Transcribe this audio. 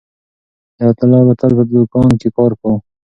حیات الله به تل په دوکان کې کار کاوه.